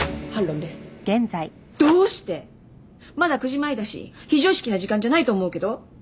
まだ９時前だし非常識な時間じゃないと思うけど。